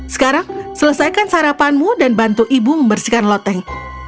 sekarang selesaikan sarapanmu dan bantu ibu membersihkan loteng